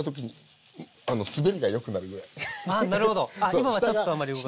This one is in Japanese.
今はちょっとあんまり動かない。